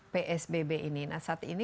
psbb ini nah saat ini